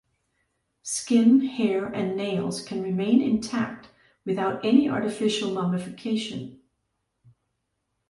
Skin, hair, and nails can remain intact without any artificial mummification.